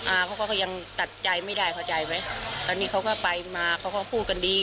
เขาก็ก็ยังตัดใจไม่ได้เข้าใจไหมตอนนี้เขาก็ไปมาเขาก็พูดกันดี